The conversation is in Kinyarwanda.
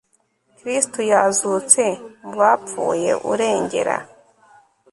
kristu yazutse mu bapfuye, urengera